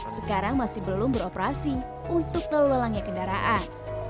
sekarang masih belum beroperasi untuk lelangnya kendaraan